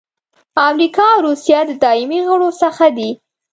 امریکا او روسیه د دایمي غړو څخه دي.